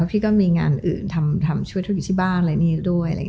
เพราะพี่ก็มีงานอื่นทำช่วยธุรกิจที่บ้านอะไรนี้ด้วย